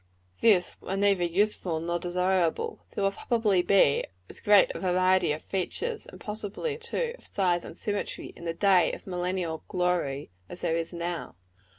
This were neither useful nor desirable. There will probably be as great a variety of features, and possibly, too, of size and symmetry, in the day of millennial glory, as there is now.